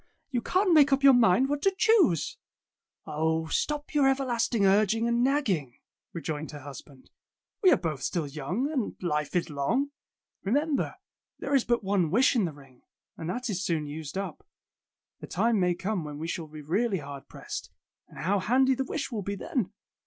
You can't make up your mind what to choose!" ''Oh, stop your everlasting urging and nagging," rejoined her husband. "We are Tales of Modern Germany 109 both still young, and life is long. Remem ber, there is but one wish in the ring, and that is soon used up. The time may come when we shall be really hard pressed, and how handy the wish will be then!